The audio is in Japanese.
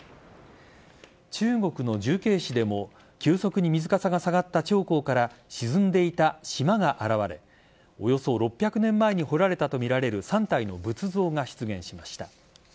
中国の重慶市でも急速に水かさが下がった長江から沈んでいた島が現れおよそ６００年前に彫られたとみられる３体の仏像が出現しました。